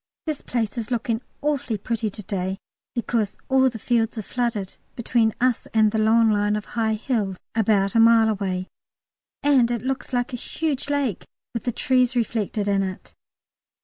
This place is looking awfully pretty to day, because all the fields are flooded between us and the long line of high hills about a mile away, and it looks like a huge lake with the trees reflected in it.